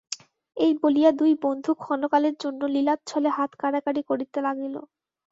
এই বলিয়া দুই বন্ধু ক্ষণকালের জন্য লীলাচ্ছলে হাত কাড়াকাড়ি করিতে লাগিল।